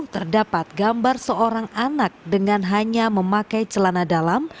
terdapat gambar seorang anak dengan hanya memakai celana dalam